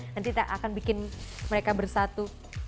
nanti kita akan bikin mereka bersatu